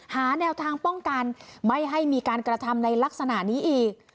หาแนวทางป้องกันไม่ให้มีการกระทำในลักษณะนี้อีก